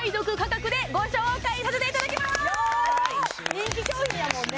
人気商品やもんね